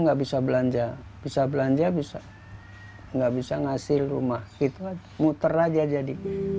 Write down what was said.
nggak bisa belanja bisa belanja bisa nggak bisa ngasih rumah gitu kan muter aja jadi